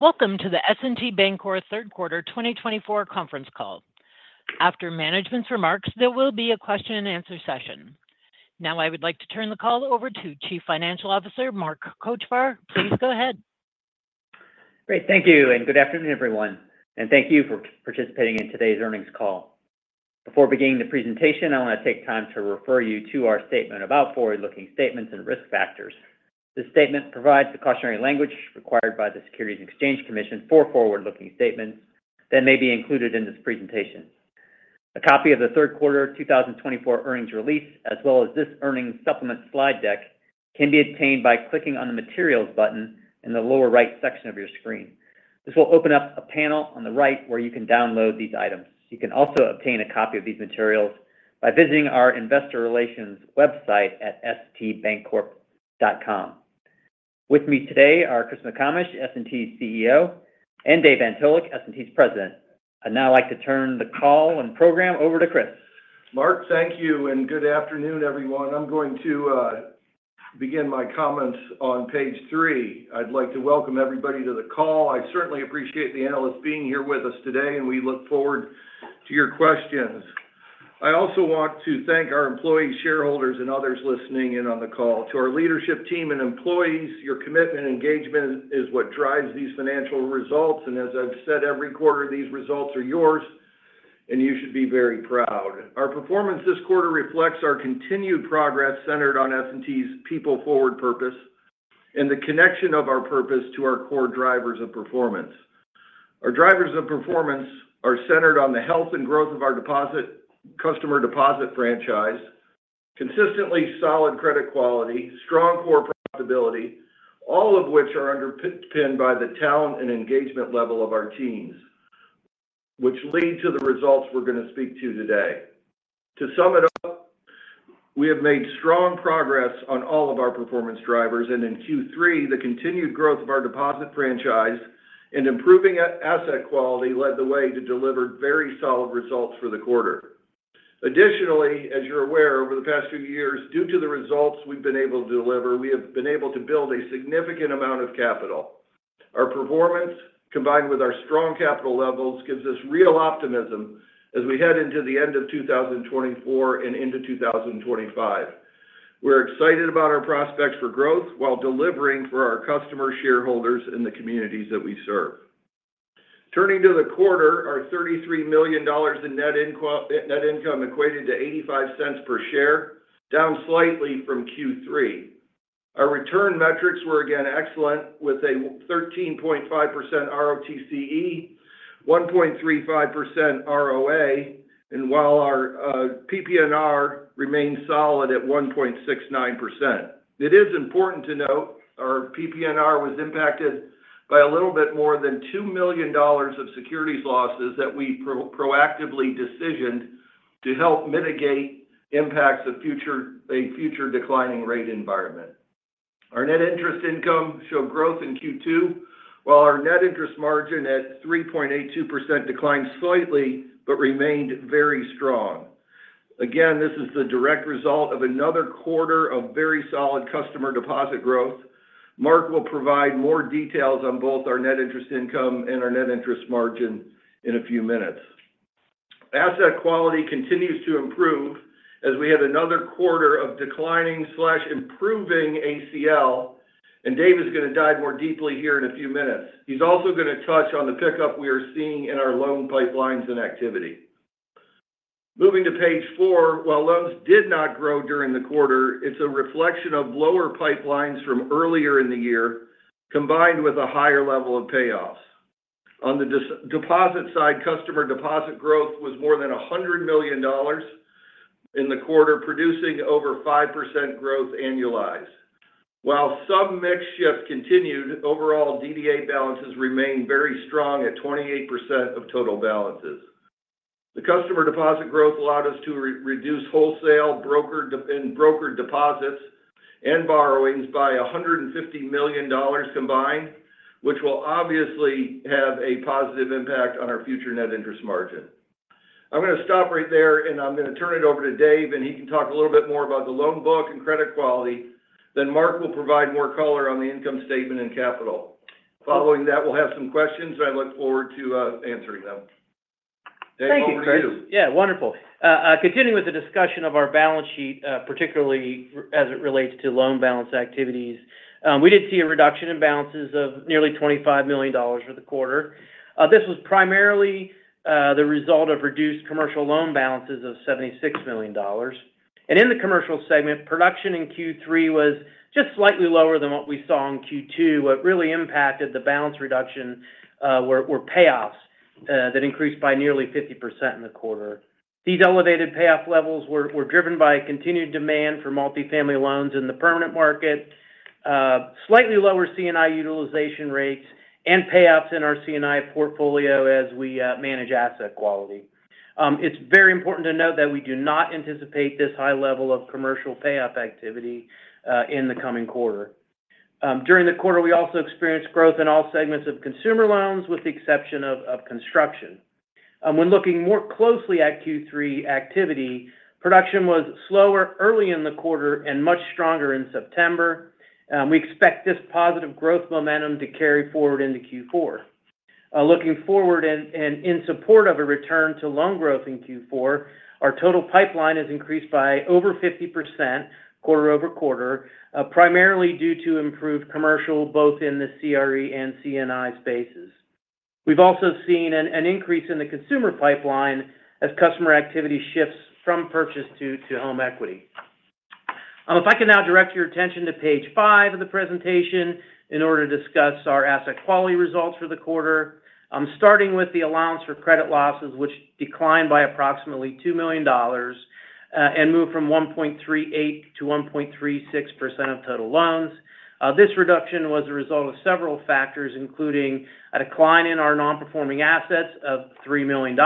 Welcome to the S&T Bancorp third quarter 2024 conference call. After management's remarks, there will be a question and answer session. Now, I would like to turn the call over to Chief Financial Officer, Mark Kochvar. Please go ahead. Great. Thank you, and good afternoon, everyone, and thank you for participating in today's earnings call. Before beginning the presentation, I want to take time to refer you to our statement about forward-looking statements and risk factors. This statement provides the cautionary language required by the Securities and Exchange Commission for forward-looking statements that may be included in this presentation. A copy of the third quarter 2024 earnings release, as well as this earnings supplement slide deck, can be obtained by clicking on the Materials button in the lower right section of your screen. This will open up a panel on the right where you can download these items. You can also obtain a copy of these materials by visiting our investor relations website at stbancorp.com. With me today are Chris McComish, S&T's CEO, and Dave Antolik, S&T's President. I'd now like to turn the call and program over to Chris. Mark, thank you, and good afternoon, everyone. I'm going to begin my comments on page three. I'd like to welcome everybody to the call. I certainly appreciate the analysts being here with us today, and we look forward to your questions. I also want to thank our employees, shareholders, and others listening in on the call. To our leadership team and employees, your commitment and engagement is what drives these financial results, and as I've said every quarter, these results are yours, and you should be very proud. Our performance this quarter reflects our continued progress centered on S&T's people-forward purpose and the connection of our purpose to our core drivers of performance. Our drivers of performance are centered on the health and growth of our customer deposit franchise, consistently solid credit quality, strong core profitability, all of which are underpinned by the talent and engagement level of our teams, which lead to the results we're going to speak to today. To sum it up, we have made strong progress on all of our performance drivers, and in Q3, the continued growth of our deposit franchise and improving asset quality led the way to deliver very solid results for the quarter. Additionally, as you're aware, over the past few years, due to the results we've been able to deliver, we have been able to build a significant amount of capital. Our performance, combined with our strong capital levels, gives us real optimism as we head into the end of 2024 and into 2025. We're excited about our prospects for growth while delivering for our customer, shareholders, and the communities that we serve. Turning to the quarter, our $33 million in net income equated to $0.85 per share, down slightly from Q3. Our return metrics were again excellent, with a 13.5% ROTCE, 1.35% ROA, and while our PPNR remains solid at 1.69%. It is important to note our PPNR was impacted by a little bit more than $2 million of securities losses that we proactively decisioned to help mitigate impacts of future declining rate environment. Our net interest income showed growth in Q2, while our net interest margin at 3.82% declined slightly but remained very strong. Again, this is the direct result of another quarter of very solid customer deposit growth. Mark will provide more details on both our net interest income and our net interest margin in a few minutes. Asset quality continues to improve as we had another quarter of declining, improving ACL, and Dave is going to dive more deeply here in a few minutes. He's also going to touch on the pickup we are seeing in our loan pipelines and activity. Moving to page four, while loans did not grow during the quarter, it's a reflection of lower pipelines from earlier in the year, combined with a higher level of payoffs. On the deposit side, customer deposit growth was more than $100 million in the quarter, producing over 5% growth annualized. While some mix shift continued, overall DDA balances remained very strong at 28% of total balances. The customer deposit growth allowed us to reduce wholesale and brokered deposits and borrowings by $150 million combined, which will obviously have a positive impact on our future net interest margin. I'm going to stop right there, and I'm going to turn it over to Dave, and he can talk a little bit more about the loan book and credit quality. Then Mark will provide more color on the income statement and capital. Following that, we'll have some questions, and I look forward to answering them. Dave, over to you. Thank you. Yeah, wonderful. Continuing with the discussion of our balance sheet, particularly as it relates to loan balance activities, we did see a reduction in balances of nearly $25 million for the quarter. This was primarily the result of reduced commercial loan balances of $76 million. And in the commercial segment, production in Q3 was just slightly lower than what we saw in Q2. What really impacted the balance reduction were payoffs that increased by nearly 50% in the quarter. These elevated payoff levels were driven by a continued demand for multifamily loans in the permanent market, slightly lower C&I utilization rates, and payoffs in our C&I portfolio as we manage asset quality. It's very important to note that we do not anticipate this high level of commercial payoff activity in the coming quarter. During the quarter, we also experienced growth in all segments of consumer loans, with the exception of construction. When looking more closely at Q3 activity, production was slower early in the quarter and much stronger in September. We expect this positive growth momentum to carry forward into Q4. Looking forward and in support of a return to loan growth in Q4, our total pipeline has increased by over 50% quarter-over-quarter, primarily due to improved commercial, both in the CRE and C&I spaces. We've also seen an increase in the consumer pipeline as customer activity shifts from purchase to home equity. If I can now direct your attention to page five of the presentation in order to discuss our asset quality results for the quarter. I'm starting with the allowance for credit losses, which declined by approximately $2 million and moved from 1.38% to 1.36% of total loans. This reduction was a result of several factors, including a decline in our non-performing assets of $3 million.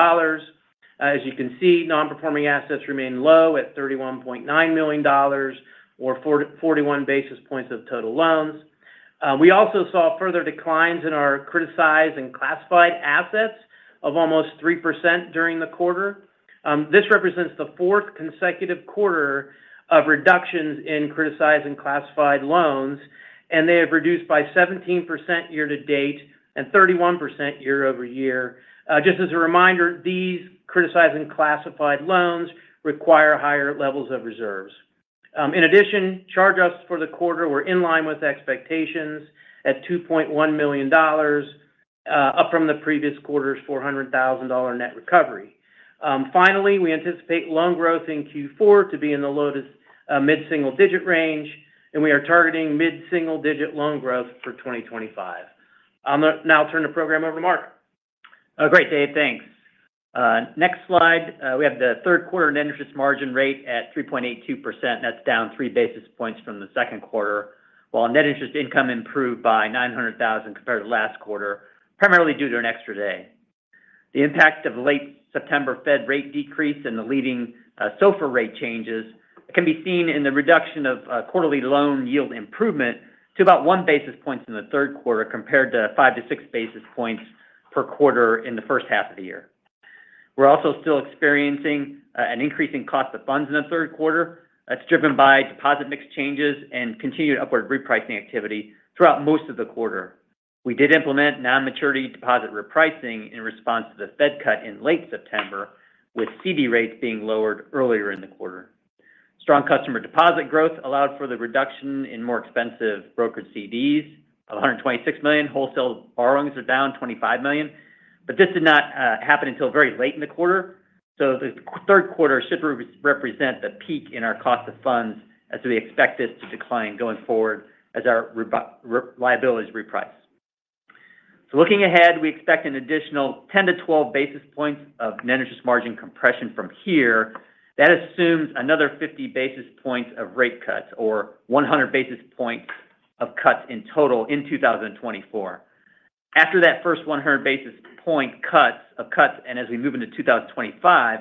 As you can see, non-performing assets remain low at $31.9 million or 41 basis points of total loans. We also saw further declines in our criticized and classified assets of almost 3% during the quarter. This represents the fourth consecutive quarter of reductions in criticized and classified loans, and they have reduced by 17% year to date and 31% year-over-year. Just as a reminder, these criticized and classified loans require higher levels of reserves. In addition, charge-offs for the quarter were in line with expectations at $2.1 million, up from the previous quarter's $400,000 net recovery. Finally, we anticipate loan growth in Q4 to be in the low- to mid-single-digit range, and we are targeting mid-single-digit loan growth for 2025. I'm gonna now turn the program over to Mark. Great, Dave. Thanks. Next slide, we have the third quarter net interest margin rate at 3.82%, and that's down 3 basis points from the second quarter, while net interest income improved by $900,000 compared to last quarter, primarily due to an extra day. The impact of late September Fed rate decrease and the leading SOFR rate changes can be seen in the reduction of quarterly loan yield improvement to about 1 basis point in the third quarter, compared to 5-6 basis points per quarter in the first half of the year. We're also still experiencing an increase in cost of funds in the third quarter. That's driven by deposit mix changes and continued upward repricing activity throughout most of the quarter. We did implement non-maturity deposit repricing in response to the Fed cut in late September, with CD rates being lowered earlier in the quarter. Strong customer deposit growth allowed for the reduction in more expensive brokered CDs of $126 million. Wholesale borrowings are down $25 million, but this did not happen until very late in the quarter, so the third quarter should represent the peak in our cost of funds as we expect this to decline going forward as our liabilities reprice. So looking ahead, we expect an additional 10-12 basis points of net interest margin compression from here. That assumes another 50 basis points of rate cuts or 100 basis points of cuts in total in 2024. After that first 100 basis point cuts and as we move into 2025,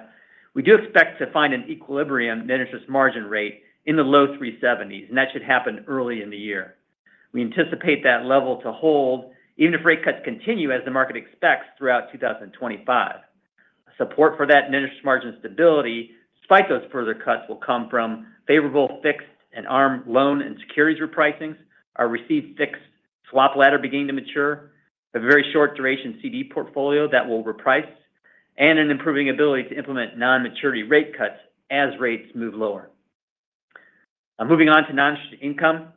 we do expect to find an equilibrium net interest margin rate in the low three seventies, and that should happen early in the year. We anticipate that level to hold, even if rate cuts continue, as the market expects, throughout 2025. Support for that net interest margin stability, despite those further cuts, will come from favorable fixed and ARM loan and securities repricings, our receive-fixed swap ladder beginning to mature, a very short duration CD portfolio that will reprice, and an improving ability to implement non-maturity rate cuts as rates move lower. I'm moving on to non-interest income.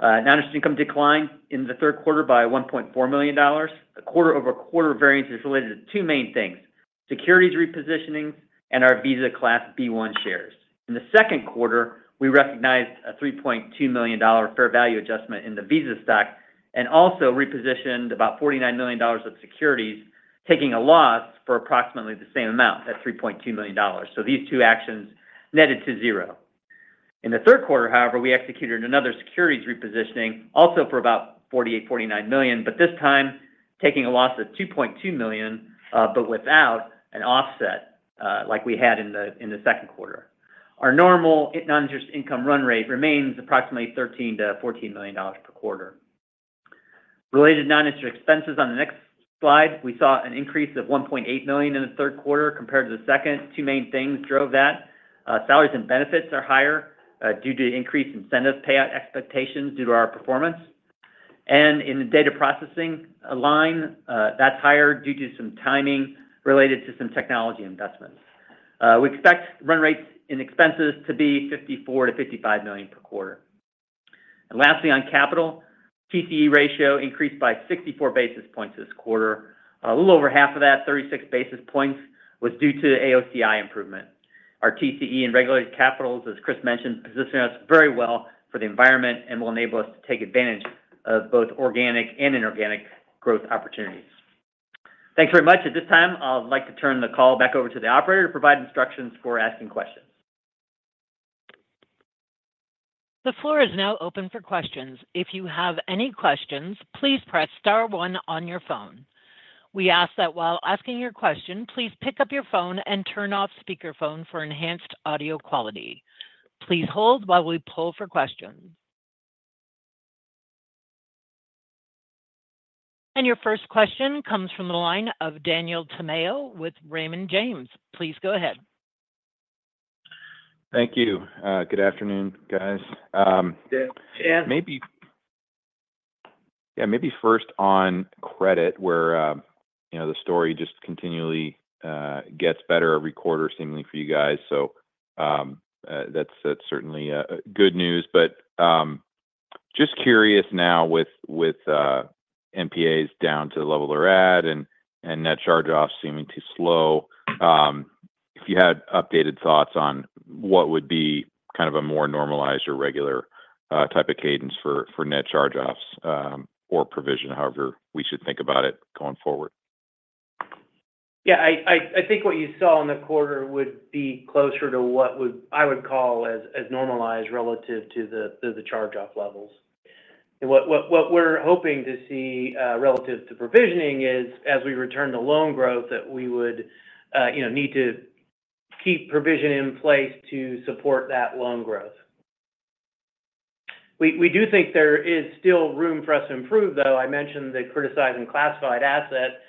Non-interest income declined in the third quarter by $1.4 million. The quarter-over-quarter variance is related to two main things: securities repositioning and our Visa Class B1 shares. In the second quarter, we recognized a $3.2 million dollar fair value adjustment in the Visa stock and also repositioned about $49 million dollars of securities, taking a loss for approximately the same amount, that's $3.2 million dollars. So these two actions netted to zero. In the third quarter, however, we executed another securities repositioning, also for about $48-$49 million, but this time taking a loss of $2.2 million, but without an offset, like we had in the second quarter. Our normal non-interest income run rate remains approximately $13-$14 million dollars per quarter. Related non-interest expenses on the next slide, we saw an increase of $1.8 million in the third quarter compared to the second. Two main things drove that. Salaries and benefits are higher, due to increased incentive payout expectations due to our performance. And in the data processing line, that's higher due to some timing related to some technology investments. We expect run rates in expenses to be $54-55 million per quarter. And lastly, on capital, TCE ratio increased by 64 basis points this quarter. A little over half of that, 36 basis points, was due to the AOCI improvement. Our TCE and regulated capitals, as Chris mentioned, positioning us very well for the environment and will enable us to take advantage of both organic and inorganic growth opportunities. Thanks very much. At this time, I'd like to turn the call back over to the operator to provide instructions for asking questions. The floor is now open for questions. If you have any questions, please press star one on your phone. We ask that while asking your question, please pick up your phone and turn off speakerphone for enhanced audio quality. Please hold while we poll for questions. Your first question comes from the line of Daniel Tamayo with Raymond James. Please go ahead. Thank you. Good afternoon, guys. Yeah, Dan. Maybe... Yeah, maybe first on credit, where, you know, the story just continually gets better every quarter, seemingly for you guys. So, that's certainly good news. But, just curious now with NPAs down to the level they're at and net charge-offs seeming to slow, if you had updated thoughts on what would be kind of a more normalized or regular type of cadence for net charge-offs, or provision, however we should think about it going forward? Yeah, I think what you saw in the quarter would be closer to what I would call as normalized relative to the charge-off levels. And what we're hoping to see relative to provisioning is, as we return to loan growth, that we would, you know, need to keep provisioning in place to support that loan growth. We do think there is still room for us to improve, though. I mentioned the criticized classified asset.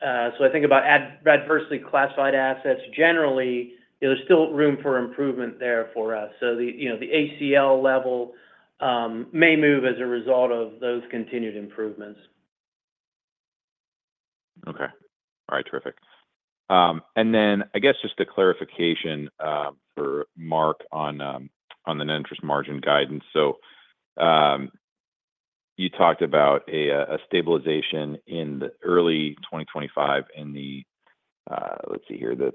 So I think about adversely classified assets generally, there's still room for improvement there for us. So the, you know, the ACL level may move as a result of those continued improvements. Okay. All right, terrific. And then I guess just a clarification for Mark on the net interest margin guidance. So, you talked about a stabilization in the early 2025 in the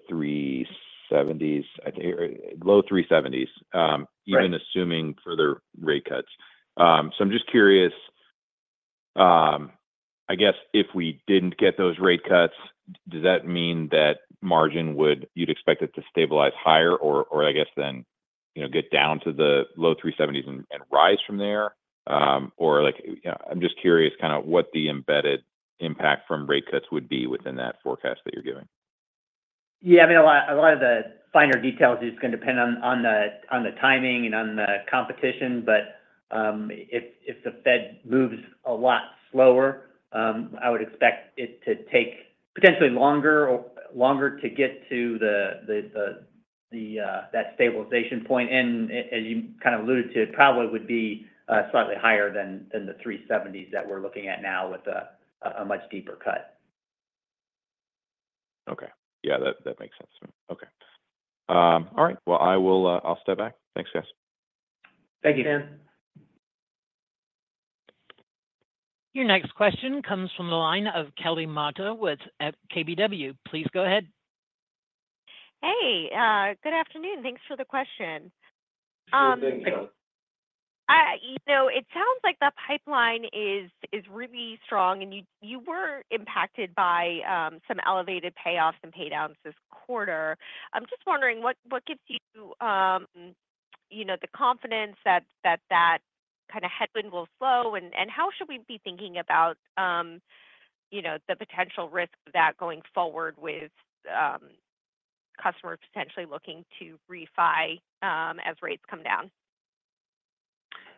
three seventies, I think, low three seventies. Right... even assuming further rate cuts. So I'm just curious, I guess if we didn't get those rate cuts, does that mean that margin would- you'd expect it to stabilize higher? Or, or I guess then, you know, get down to the low three seventies and, and rise from there? Or, like, you know, I'm just curious kind of what the embedded impact from rate cuts would be within that forecast that you're giving. Yeah, I mean, a lot of the finer details is going to depend on the timing and on the competition. But if the Fed moves a lot slower, I would expect it to take potentially longer to get to that stabilization point. And as you kind of alluded to, it probably would be slightly higher than the three seventies that we're looking at now with a much deeper cut. Okay. Yeah, that, that makes sense to me. Okay. All right. Well, I will, I'll step back. Thanks, guys. Thank you, Dan. Your next question comes from the line of Kelly Motta with KBW. Please go ahead. Hey, good afternoon. Thanks for the question. Sure thing, Kelly. You know, it sounds like the pipeline is really strong, and you were impacted by some elevated payoffs and paydowns this quarter. I'm just wondering what gives you, you know, the confidence that that kind of headwind will slow? And how should we be thinking about, you know, the potential risk of that going forward with customers potentially looking to refi as rates come down?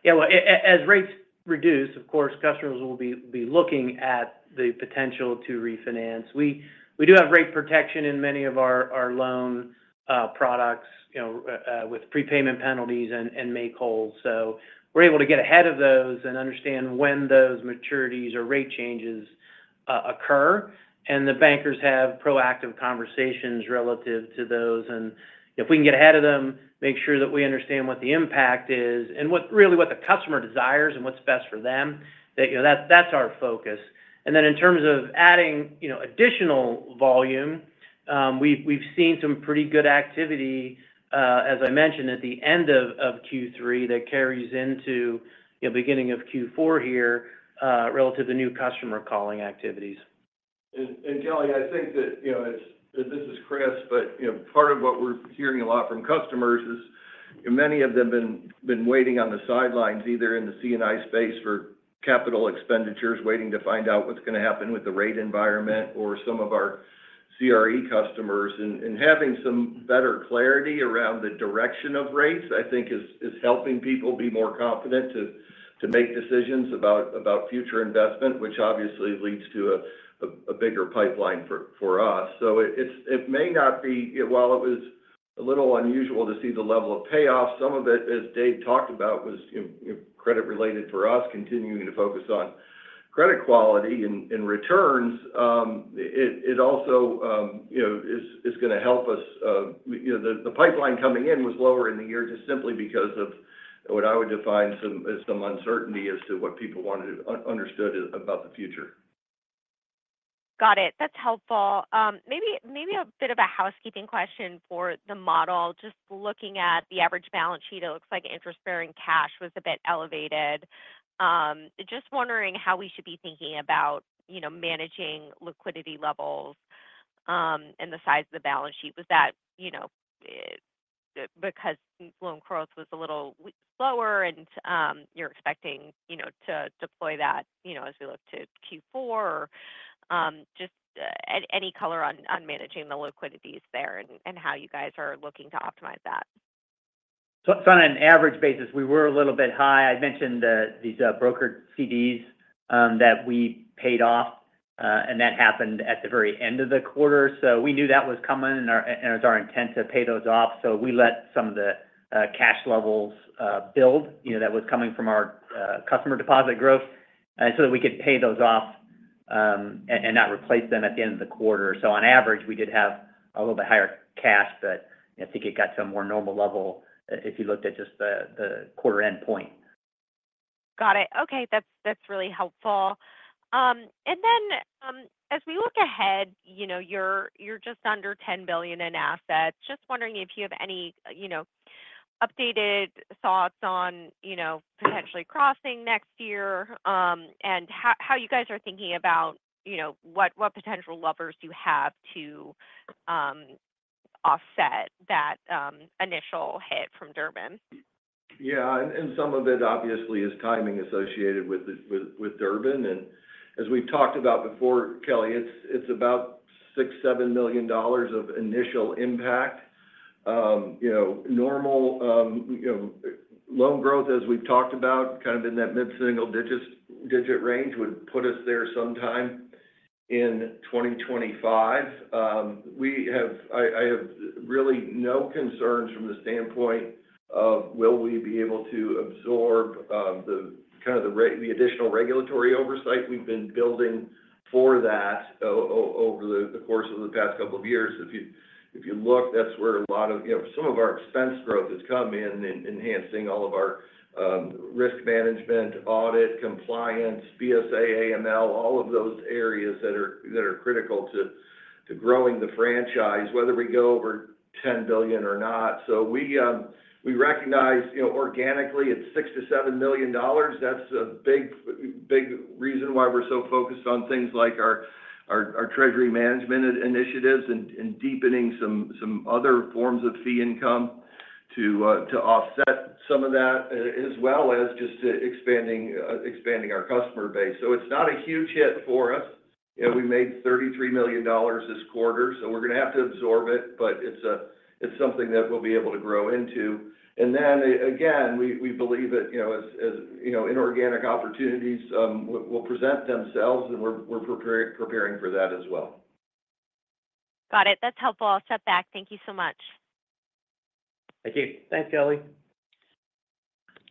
Yeah, well, as rates reduce, of course, customers will be looking at the potential to refinance. We do have rate protection in many of our loan products, you know, with prepayment penalties and make whole. So we're able to get ahead of those and understand when those maturities or rate changes occur, and the bankers have proactive conversations relative to those. And if we can get ahead of them, make sure that we understand what the impact is and what really what the customer desires and what's best for them, that you know that's our focus. And then in terms of adding, you know, additional volume, we've seen some pretty good activity, as I mentioned at the end of Q3 that carries into, you know, beginning of Q4 here, relative to new customer calling activities. Kelly, I think that, you know, it's-- this is Chris, but, you know, part of what we're hearing a lot from customers is many of them been waiting on the sidelines, either in the C&I space for capital expenditures, waiting to find out what's going to happen with the rate environment or some of our CRE customers. And having some better clarity around the direction of rates, I think is helping people be more confident to make decisions about future investment, which obviously leads to a bigger pipeline for us. So it may not be... While it was a little unusual to see the level of payoffs, some of it, as Dave talked about, was, you know, credit related for us, continuing to focus on credit quality and returns. It also, you know, is going to help us, you know, the pipeline coming in was lower in the year, just simply because of what I would define as some uncertainty as to what people wanted understood about the future. Got it. That's helpful. Maybe, maybe a bit of a housekeeping question for the model. Just looking at the average balance sheet, it looks like interest bearing cash was a bit elevated. Just wondering how we should be thinking about, you know, managing liquidity levels, and the size of the balance sheet. Was that, you know, because loan growth was a little slower and, you're expecting, you know, to deploy that, you know, as we look to Q4? Just, any color on, on managing the liquidities there and, how you guys are looking to optimize that?... So on an average basis, we were a little bit high. I mentioned these brokered CDs that we paid off, and that happened at the very end of the quarter. So we knew that was coming, and it's our intent to pay those off. So we let some of the cash levels build, you know, that was coming from our customer deposit growth, so that we could pay those off, and not replace them at the end of the quarter. So on average, we did have a little bit higher cash, but I think it got to a more normal level if you looked at just the quarter endpoint. Got it. Okay, that's really helpful, and then as we look ahead, you know, you're just under $10 billion in assets. Just wondering if you have any, you know, updated thoughts on, you know, potentially crossing next year, and how you guys are thinking about, you know, what potential levers do you have to offset that initial hit from Durbin? Yeah, and some of it, obviously, is timing associated with Durbin. And as we've talked about before, Kelly, it's about $6- $7 million of initial impact. You know, normal, you know, loan growth, as we've talked about, kind of in that mid-single digit range, would put us there sometime in 2025. I have really no concerns from the standpoint of will we be able to absorb the kind of the additional regulatory oversight we've been building for that over the course of the past couple of years. If you look, that's where a lot of, you know, some of our expense growth has come in, in enhancing all of our risk management, audit, compliance, BSA, AML, all of those areas that are critical to growing the franchise, whether we go over 10 billion or not. We recognize, you know, organically, it's $6 million-$7 million. That's a big reason why we're so focused on things like our treasury management initiatives and deepening some other forms of fee income to offset some of that, as well as just expanding our customer base. It's not a huge hit for us. You know, we made $33 million this quarter, so we're going to have to absorb it, but it's something that we'll be able to grow into. And then, again, we believe that, you know, as you know, inorganic opportunities will present themselves, and we're preparing for that as well. Got it. That's helpful. I'll step back. Thank you so much. Thank you. Thanks, Kelly.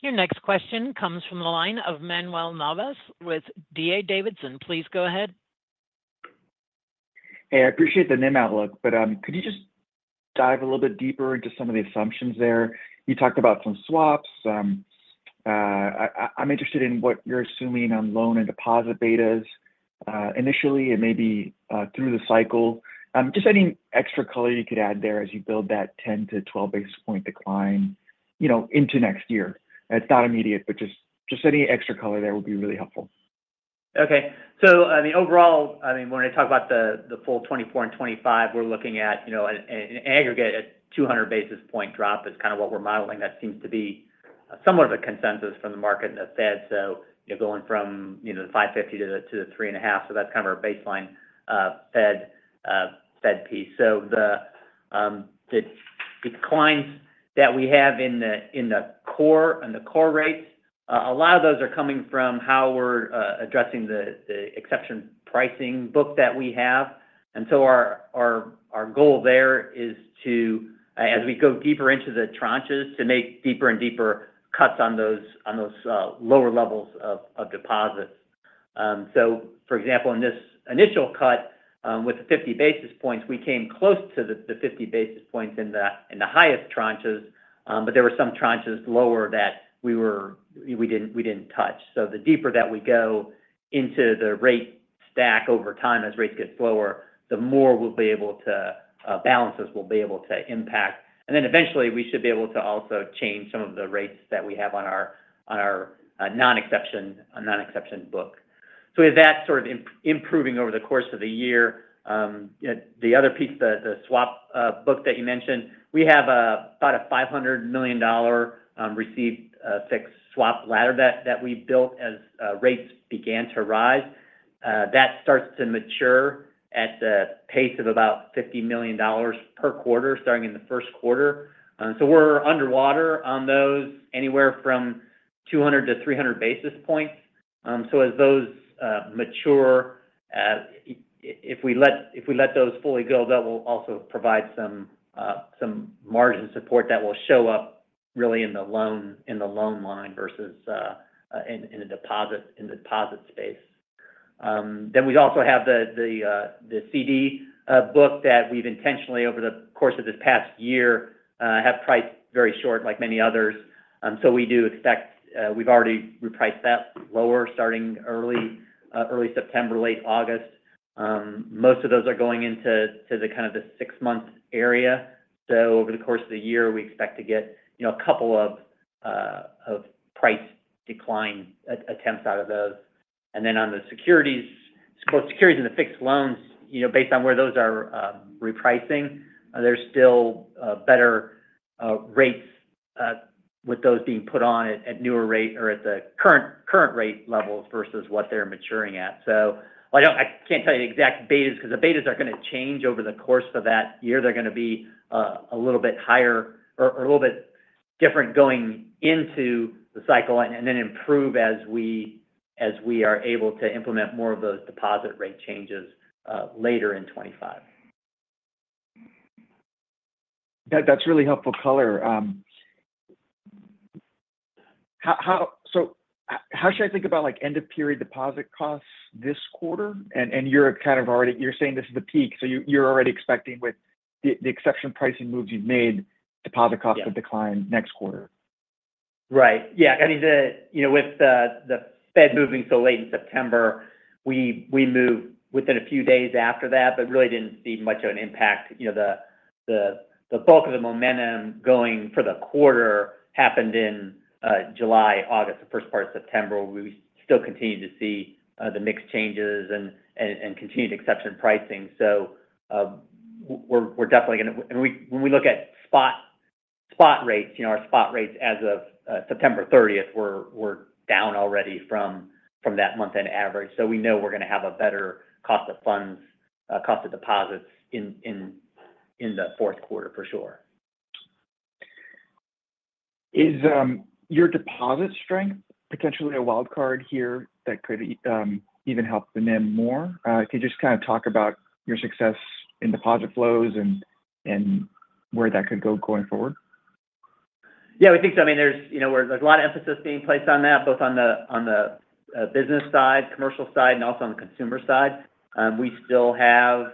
Your next question comes from the line of Manuel Navas with D.A. Davidson. Please go ahead. Hey, I appreciate the NIM outlook, but, could you just dive a little bit deeper into some of the assumptions there? You talked about some swaps. I'm interested in what you're assuming on loan and deposit betas, initially and maybe, through the cycle. Just any extra color you could add there as you build that 10-12 basis point decline, you know, into next year. It's not immediate, but just, just any extra color there would be really helpful. Okay. So, I mean, overall, I mean, when I talk about the full 2024 and 2025, we're looking at, you know, an aggregate at two hundred basis point drop is kind of what we're modeling. That seems to be somewhat of a consensus from the market and the Fed. So, you know, going from, you know, the 550 to the three and a half. So that's kind of our baseline, Fed piece. So the declines that we have in the core rates, a lot of those are coming from how we're addressing the exception pricing book that we have. And so our goal there is to, as we go deeper into the tranches, to make deeper and deeper cuts on those lower levels of deposits. So for example, in this initial cut, with the 50 basis points, we came close to the 50 basis points in the highest tranches, but there were some tranches lower that we didn't touch. So the deeper that we go into the rate stack over time, as rates get lower, the more we'll be able to, balances will be able to impact. And then eventually, we should be able to also change some of the rates that we have on our non-exception book. So with that sort of improving over the course of the year, the other piece, the swap book that you mentioned, we have about a $500 million receive-fixed swap ladder that we built as rates began to rise. That starts to mature at the pace of about $50 million per quarter, starting in the first quarter. So we're underwater on those anywhere from 200 to 300 basis points. So as those mature, if we let those fully go, that will also provide some margin support that will show up really in the loan line versus in the deposit space. Then we also have the CD book that we've intentionally, over the course of this past year, have priced very short, like many others. So we do expect, we've already repriced that lower starting early September, late August. Most of those are going into the six-month area. So over the course of the year, we expect to get, you know, a couple of price decline attempts out of those. And then on the securities and the fixed loans, you know, based on where those are repricing, there's still better rates with those being put on at higher rates or at the current rate levels versus what they're maturing at. So I can't tell you the exact betas, 'cause the betas are going to change over the course of that year. They're going to be a little bit higher or a little bit different going into the cycle and then improve as we are able to implement more of those deposit rate changes later in 2025. That's really helpful color. How should I think about, like, end-of-period deposit costs this quarter? And you're kind of already saying this is the peak, so you're already expecting with the exception pricing moves you've made, deposit costs to decline next quarter. Right. Yeah. I mean, you know, with the Fed moving so late in September, we moved within a few days after that, but really didn't see much of an impact. You know, the bulk of the momentum going for the quarter happened in July, August, the first part of September. We still continue to see the mix changes and continued exception pricing. So, we're definitely gonna-- and we-- when we look at spot rates, you know, our spot rates as of September thirtieth were down already from that month-end average. So we know we're going to have a better cost of funds, cost of deposits in the fourth quarter, for sure. Is your deposit strength potentially a wild card here that could even help the NIM more? Can you just kind of talk about your success in deposit flows and where that could go going forward? Yeah, we think so. I mean, there's, you know, there's a lot of emphasis being placed on that, both on the business side, commercial side, and also on the consumer side. We still have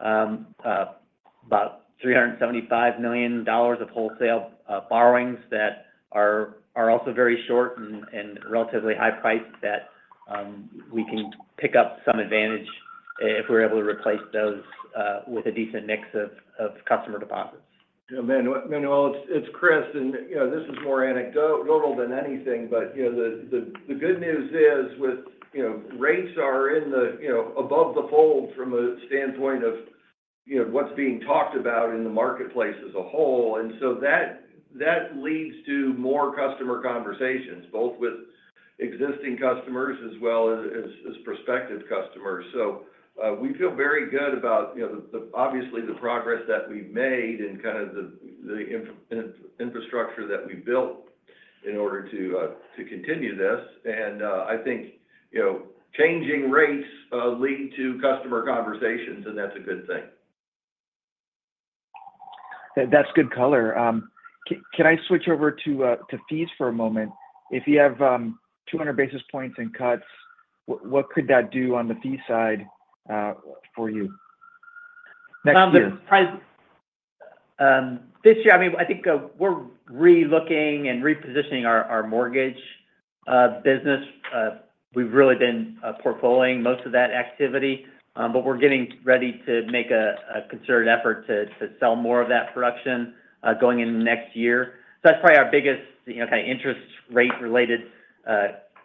about $375 million of wholesale borrowings that are also very short and relatively high priced, that we can pick up some advantage if we're able to replace those with a decent mix of customer deposits. Yeah, Manuel, it's Chris, and, you know, this is more anecdotal than anything, but, you know, the good news is, with, you know, rates are in the, you know, above the fold from a standpoint of, you know, what's being talked about in the marketplace as a whole. And so that leads to more customer conversations, both with existing customers as well as prospective customers. So, we feel very good about, you know, obviously the progress that we've made and kind of the infrastructure that we built in order to continue this. And, I think, you know, changing rates lead to customer conversations, and that's a good thing. That's good color. Can I switch over to fees for a moment? If you have two hundred basis points and cuts, what could that do on the fee side for you next year? This year, I mean, I think we're relooking and repositioning our mortgage business. We've really been portfolioing most of that activity, but we're getting ready to make a concerted effort to sell more of that production going into next year. So that's probably our biggest, you know, kind of interest rate-related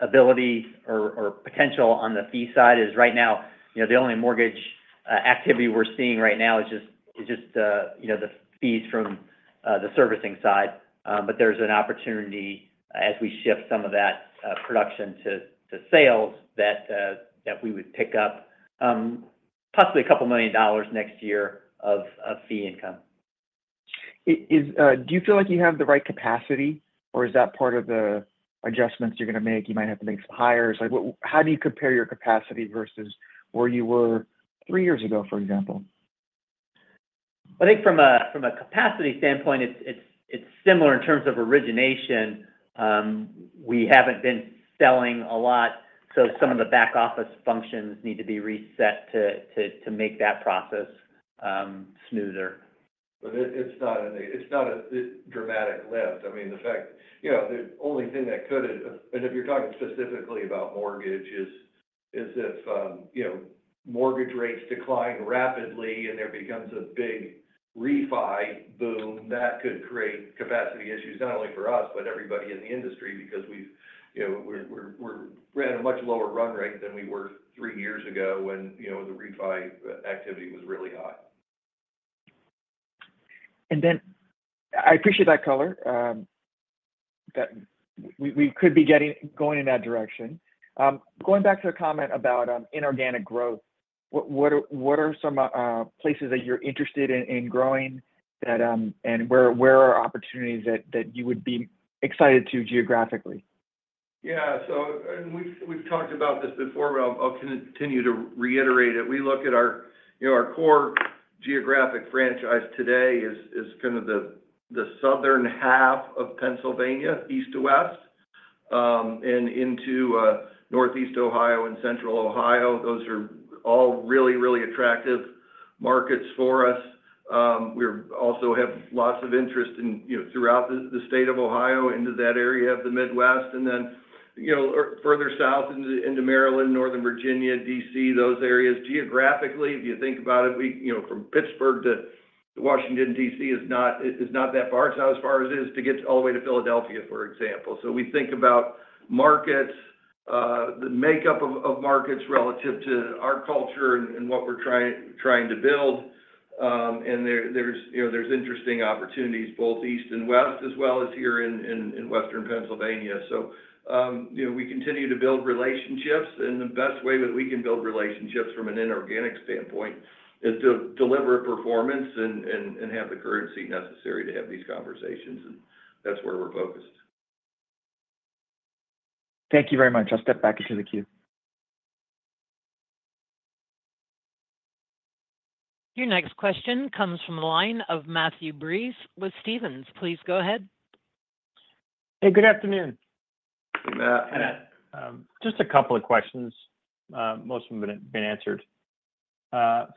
ability or potential on the fee side is right now, you know, the only mortgage activity we're seeing right now is just the fees from the servicing side. But there's an opportunity as we shift some of that production to sales, that we would pick up possibly couple of million dollars next year of fee income. Do you feel like you have the right capacity, or is that part of the adjustments you're going to make? You might have to make some hires. Like, what-- how do you compare your capacity versus where you were three years ago, for example? I think from a capacity standpoint, it's similar in terms of origination. We haven't been selling a lot, so some of the back office functions need to be reset to make that process smoother. But it's not a dramatic lift. I mean, you know, the only thing that could, and if you're talking specifically about mortgage, is if you know, mortgage rates decline rapidly and there becomes a big refi boom, that could create capacity issues, not only for us, but everybody in the industry, because we've, you know, we're at a much lower run rate than we were three years ago when, you know, the refi activity was really hot. I appreciate that color that we could be going in that direction. Going back to the comment about inorganic growth, what are some places that you're interested in growing that, and where are opportunities that you would be excited to geographically? Yeah. So, and we've talked about this before, but I'll continue to reiterate it. We look at our, you know, our core geographic franchise today is kind of the southern half of Pennsylvania, east to west, and into Northeast Ohio and Central Ohio. Those are all really, really attractive markets for us. We're also have lots of interest in, you know, throughout the state of Ohio into that area of the Midwest, and then, you know, further south into Maryland, Northern Virginia, DC, those areas. Geographically, if you think about it, we, you know, from Pittsburgh to Washington, DC, is not that far south, as far as it is to get all the way to Philadelphia, for example. So we think about markets-... The makeup of markets relative to our culture and what we're trying to build. There are, you know, interesting opportunities both east and west, as well as here in Western Pennsylvania. So, you know, we continue to build relationships, and the best way that we can build relationships from an inorganic standpoint is to deliver performance and have the currency necessary to have these conversations, and that's where we're focused. Thank you very much. I'll step back into the queue. Your next question comes from the line of Matthew Breese with Stephens. Please go ahead. Hey, good afternoon. Good afternoon. Just a couple of questions, most of them have been answered.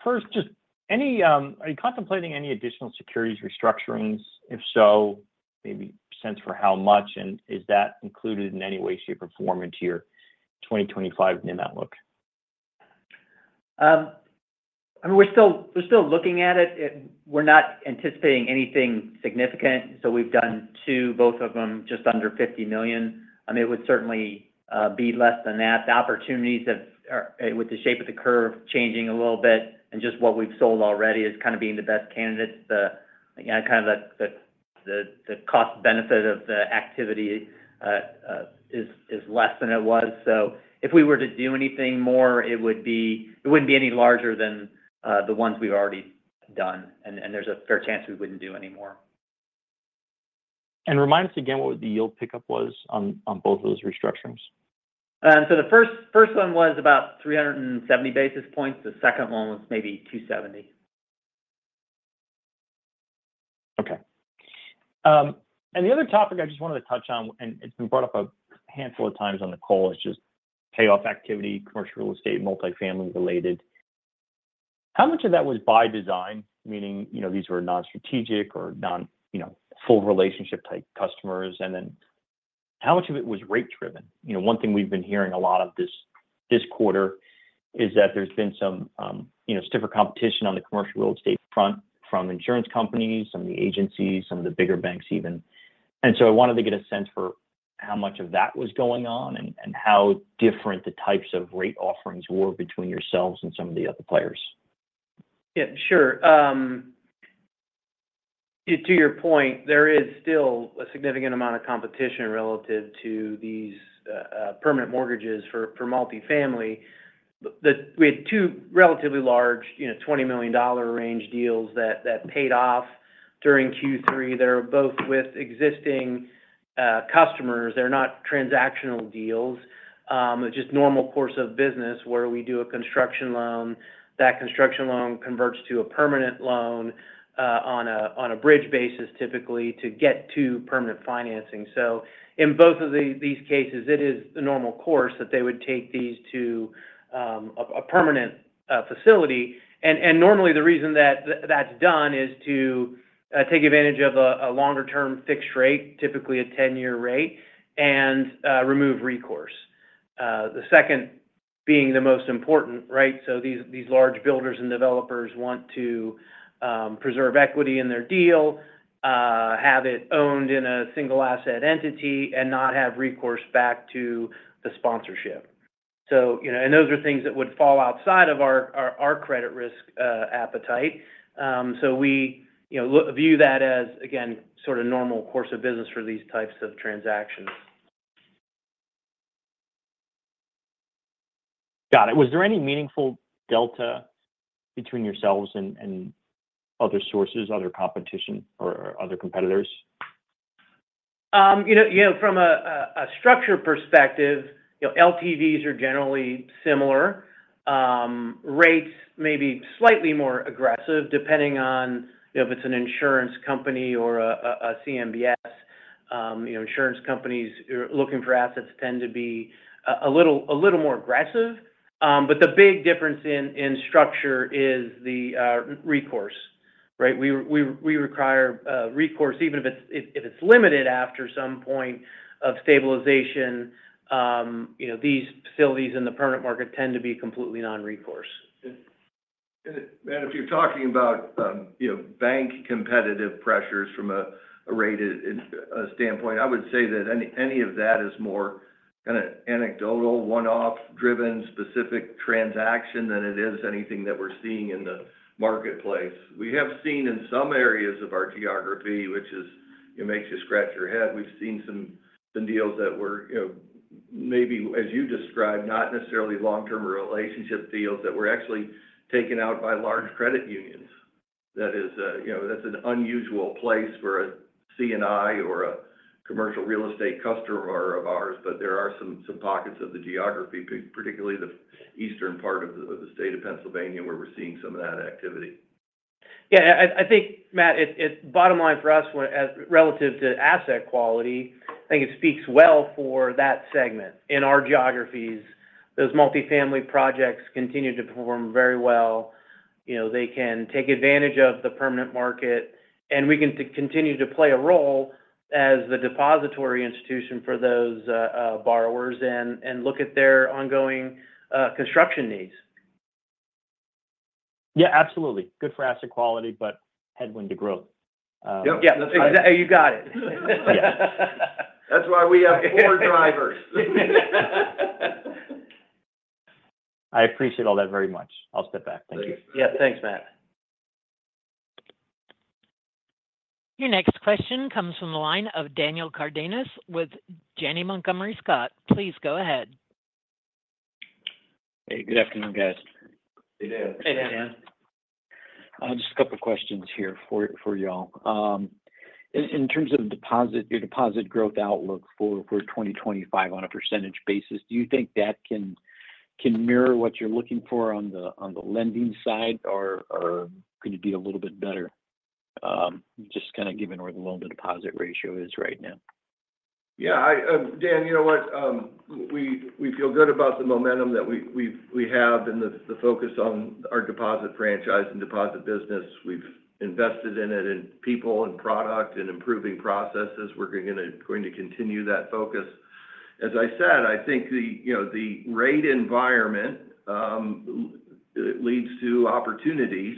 First, just any, are you contemplating any additional securities restructurings? If so, maybe a sense for how much, and is that included in any way, shape, or form into your 2025 NIM outlook? I mean, we're still looking at it. We're not anticipating anything significant. So we've done two, both of them just under $50 million. I mean, it would certainly be less than that. The opportunities have, with the shape of the curve changing a little bit and just what we've sold already is kind of being the best candidates. The, again, kind of the cost benefit of the activity is less than it was. So if we were to do anything more, it wouldn't be any larger than the ones we've already done, and there's a fair chance we wouldn't do any more. Remind us again what the yield pickup was on both those restructurings? The first one was about 370 basis points. The second one was maybe 270. Okay. And the other topic I just wanted to touch on, and it's been brought up a handful of times on the call, is just payoff activity, commercial real estate, multifamily-related. How much of that was by design? Meaning, you know, these were non-strategic or non, you know, full relationship-type customers, and then how much of it was rate driven? You know, one thing we've been hearing a lot of this quarter is that there's been some, you know, stiffer competition on the commercial real estate front from insurance companies, some of the agencies, some of the bigger banks even. And so I wanted to get a sense for how much of that was going on and how different the types of rate offerings were between yourselves and some of the other players. Yeah, sure. To your point, there is still a significant amount of competition relative to these permanent mortgages for multifamily. We had two relatively large, you know, $20 million range deals that paid off during Q3. They're both with existing customers. They're not transactional deals, just normal course of business where we do a construction loan. That construction loan converts to a permanent loan on a bridge basis, typically to get to permanent financing. So in both of these cases, it is the normal course that they would take these to a permanent facility. And normally, the reason that that's done is to take advantage of a longer-term fixed rate, typically a 10-year rate, and remove recourse. The second being the most important, right? So these large builders and developers want to preserve equity in their deal, have it owned in a single asset entity, and not have recourse back to the sponsorship. So, you know, and those are things that would fall outside of our credit risk appetite. So we, you know, view that as, again, sort of normal course of business for these types of transactions. Got it. Was there any meaningful delta between yourselves and, and other sources, other competition or other competitors? You know, from a structure perspective, you know, LTVs are generally similar. Rates may be slightly more aggressive, depending on, you know, if it's an insurance company or a CMBS. You know, insurance companies looking for assets tend to be a little more aggressive. But the big difference in structure is the recourse, right? We require recourse, even if it's limited after some point of stabilization, you know, these facilities in the permanent market tend to be completely non-recourse. And if you're talking about, you know, bank competitive pressures from a rate standpoint, I would say that any of that is more kinda anecdotal, one-off driven, specific transaction than it is anything that we're seeing in the marketplace. We have seen in some areas of our geography, which is, it makes you scratch your head. We've seen some deals that were, you know, maybe, as you described, not necessarily long-term relationship deals, that were actually taken out by large credit unions. That is, you know, that's an unusual place for a C&I or a commercial real estate customer of ours, but there are some pockets of the geography, particularly the eastern part of the state of Pennsylvania, where we're seeing some of that activity. Yeah, I think, Matt, bottom line for us as relative to asset quality, I think it speaks well for that segment. In our geographies, those multifamily projects continue to perform very well. You know, they can take advantage of the permanent market, and we can continue to play a role as the depository institution for those borrowers and look at their ongoing construction needs.... Yeah, absolutely. Good for asset quality, but headwind to growth. Yep. Yeah, you got it. Yeah. That's why we have four drivers. I appreciate all that very much. I'll step back. Thank you. Yeah, thanks, Matt. Your next question comes from the line of Daniel Cardenas with Janney Montgomery Scott. Please go ahead. Hey, good afternoon, guys. Hey, Dan. Hey, Dan. Just a couple of questions here for y'all. In terms of deposit, your deposit growth outlook for 2025 on a percentage basis, do you think that can mirror what you're looking for on the lending side? Or could you be a little bit better, just kind of given where the loan-to-deposit ratio is right now? Yeah, Dan, you know what? We feel good about the momentum that we have and the focus on our deposit franchise and deposit business. We've invested in it, in people and product and improving processes. We're going to continue that focus. As I said, I think the, you know, the rate environment leads to opportunities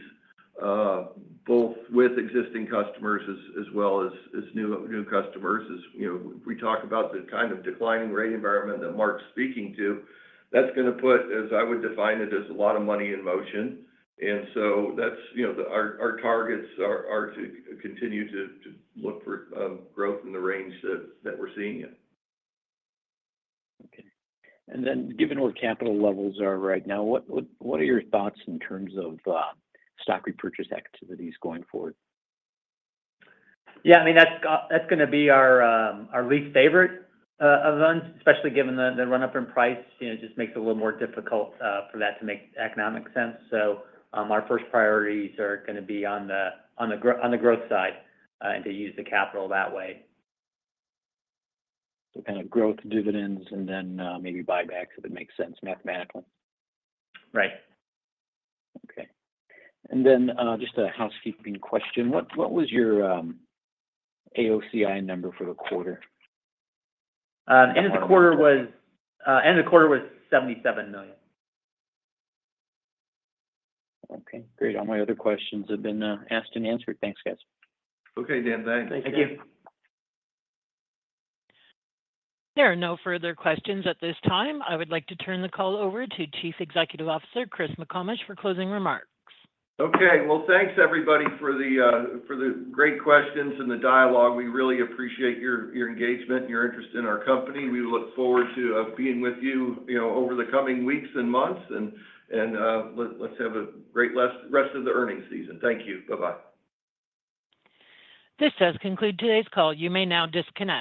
both with existing customers as well as new customers. As, you know, we talk about the kind of declining rate environment that Mark's speaking to, that's going to put, as I would define it, there's a lot of money in motion. And so that's, you know, our targets are to continue to look for growth in the range that we're seeing it. Okay. And then, given where capital levels are right now, what are your thoughts in terms of stock repurchase activities going forward? Yeah, I mean, that's gonna be our least favorite event, especially given the run-up in price. You know, it just makes it a little more difficult for that to make economic sense. So, our first priorities are gonna be on the growth side, and to use the capital that way. So kind of growth dividends and then, maybe buybacks if it makes sense mathematically? Right. Okay. And then, just a housekeeping question. What was your AOCI number for the quarter? End of the quarter was $77 million. Okay, great. All my other questions have been asked and answered. Thanks, guys. Okay, Dan. Thanks. Thank you. There are no further questions at this time. I would like to turn the call over to Chief Executive Officer, Chris McComish, for closing remarks. Okay. Well, thanks, everybody, for the great questions and the dialogue. We really appreciate your engagement and your interest in our company. We look forward to being with you, you know, over the coming weeks and months. And let's have a great rest of the earnings season. Thank you. Bye-bye. This does conclude today's call. You may now disconnect.